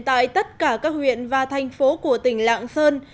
tại tất cả các huyện và thành phố của tỉnh lạng sơn